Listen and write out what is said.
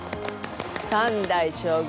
三代将軍